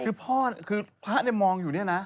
คือพ่อคือพระเนี่ยมองอยู่เนี่ยนะ